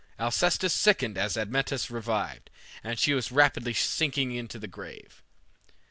Alcestis sickened as Admetus revived, and she was rapidly sinking to the grave.